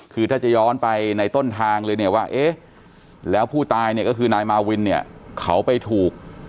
คือถ้าจะย้อนไปในต้นทางเลยเนี่ยว่าเอ๊ะแล้วผู้ตายเนี่ยก็คือนายมาวินเนี่ยเขาไปถูก